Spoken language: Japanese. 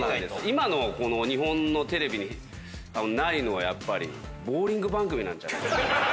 今の日本のテレビにないのはやっぱりボウリング番組なんじゃないか。